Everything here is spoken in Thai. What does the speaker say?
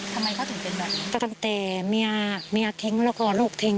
ทำไมเขาถึงเป็นแบบนี้ก็ตั้งแต่เมียเมียทิ้งแล้วก็ลูกทิ้ง